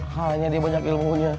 halnya dia banyak ilmunya